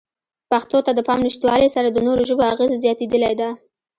پښتو ته د پام نشتوالې سره د نورو ژبو اغېزه زیاتېدلې ده.